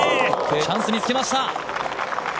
チャンスにつけました。